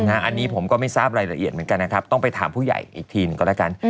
อันนี้ผมก็ไม่ทราบรายละเอียดเหมือนกันนะครับต้องไปถามผู้ใหญ่อีกทีหนึ่งก็แล้วกัน